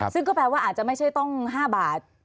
ซึ่งก็แปลว่าอาจจะไม่ใช่ต้อง๕บาท